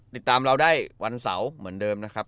ติดตามเราได้วันเสาร์เหมือนเดิมนะครับ